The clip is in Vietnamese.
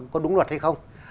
có đúng luật hay không